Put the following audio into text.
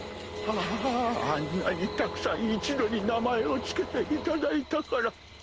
あんなにたくさん一度に名前を付けていただいたから。